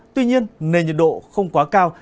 tuy nhiên nền nhiệt độ không quá cao